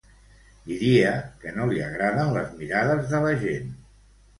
Diria que no li agraden les mirades de la gent.